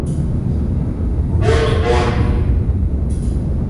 Вот он!